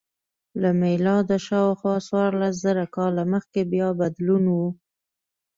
له میلاده شاوخوا څوارلس زره کاله مخکې بیا بدلون و